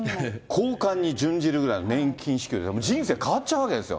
高官に準じるぐらいの年金、もう人生変わっちゃうぐらいですよ。